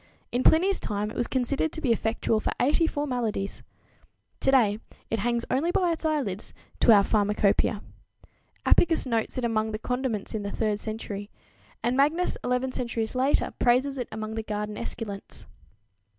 In Pliny's time it was considered to be effectual for 84 maladies! Today it "hangs only by its eyelids" to our pharmacopoeia. Apicus notes it among the condiments in the third century, and Magnus eleven centuries later praises it among the garden esculents.